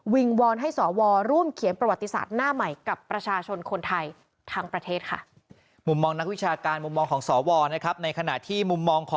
วิงวอนให้สวร่วมเขียนประวัติศาสตร์หน้าใหม่